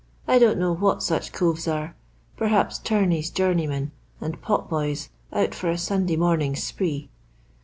I don't know what sach coves are. Perhaps 'torneys' joomeymen, or pot boys out for a Sunday morn ing's spree."